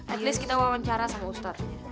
at least kita wawancara sama ustad